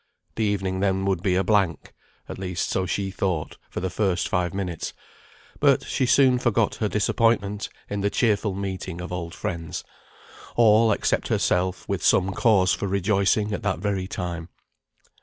The evening then would be a blank; at least so she thought for the first five minutes; but she soon forgot her disappointment in the cheerful meeting of old friends, all, except herself, with some cause for rejoicing at that very time.